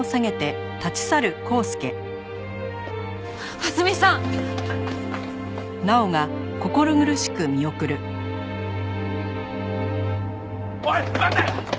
蓮見さん！おい待て！